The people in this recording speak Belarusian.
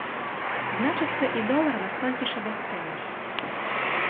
Значыцца, і долар на столькі ж абясцэніўся.